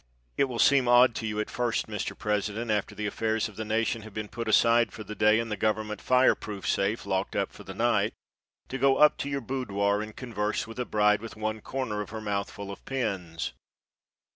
It will seem odd to you at first, Mr. President, after the affairs of the nation have been put aside for the day and the government fire proof safe locked up for the night, to go up to your boudoir and converse with a bride, with one corner of her mouth full of pins.